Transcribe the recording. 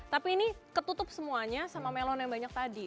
tapi ini ketutup semuanya sama melon yang banyak tadi